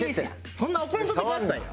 そんな怒らんとってくださいよ。